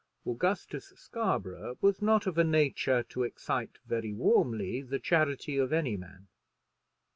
Augustus Scarborough was not of a nature to excite very warmly the charity of any man.